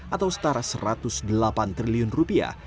atau setara satu ratus delapan triliun rupiah